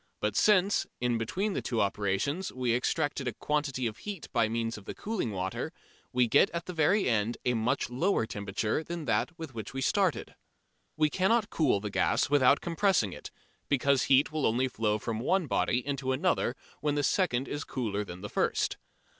But since, in between the two operations we extract a quantity of heat by means of the cooling water, we get at the end a very much lower temperature than that with which we started. We cannot cool the gas without compressing it, because heat will only flow from one body into another when the second is cooler than the first.